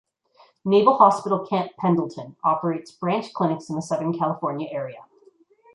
Naval Hospital Camp Pendleton operates branch clinics in the Southern California area.